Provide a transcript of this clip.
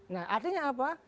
nah artinya apa